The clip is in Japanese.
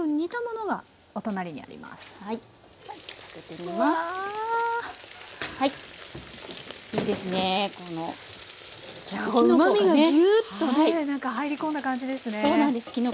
うまみがギュウっとね中入り込んだ感じですね。